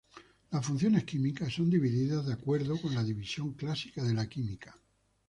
Las funciones químicas son divididas de acuerdo con la división clásica de la química.